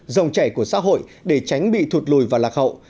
dòng chảy của xã hội để tránh bị thụt lùi và lạc hậu